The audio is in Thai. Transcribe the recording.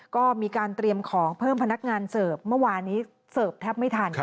ก็มีการเตรียมของเพิ่มพนักงานเสิร์ฟเมื่อวานี้เสิร์ฟแทบไม่ทัน